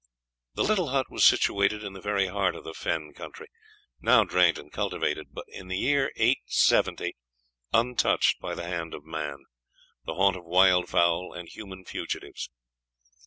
The little hut was situated in the very heart of the fen country, now drained and cultivated, but in the year 870 untouched by the hand of man, the haunt of wild fowl and human fugitives.